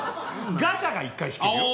ガチャが１回引けるよ。